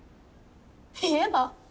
言えば？